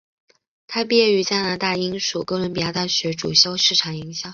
她毕业于加拿大英属哥伦比亚大学主修市场营销。